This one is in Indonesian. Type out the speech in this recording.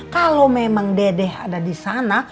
kalau memang dedeh ada di sana